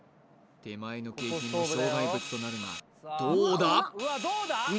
手前の景品も障害物となるがどうだ？